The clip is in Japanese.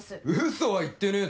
嘘は言ってねえ